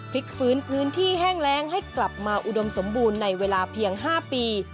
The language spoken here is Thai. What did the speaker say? พลิกฟื้นพื้นที่แห้งแรงให้กลับมาอุดมสมบูรณ์ในเวลาเพียง๕ปี